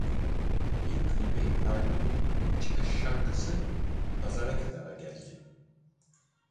İlk klibi albümün çıkış şarkısı Pazara Kadar'a geldi.